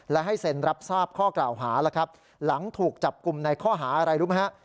และให้เซ็นรับทราบข้อกล่าวหาแล้วครับหลังถูกจับกลุ่มในข้อหาอะไรรู้ไหมฮะ